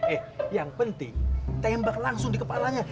eh yang penting tembak langsung di kepalanya